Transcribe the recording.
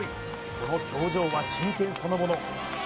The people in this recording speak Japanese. その表情は真剣そのもの